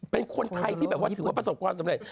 เป็นคนไทยที่แบบว่าถือว่าประสบความสำเร็จ